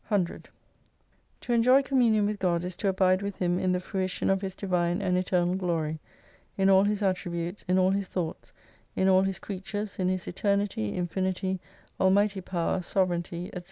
236 100 To enjoy communion with God is to abide with Him m the fruition of His Divine and Eternal Glory, in all His attributes, in all His thoughts, in all His creatures, in His Eternity, Infinity, Almighty Power, Sovereignty, &c.